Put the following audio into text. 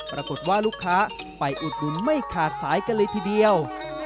ปรากฏว่าลูกค้าไปอุดหนุนไม่ขาดสายกันเลยทีเดียว